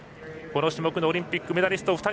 この種目のオリンピックメダリスト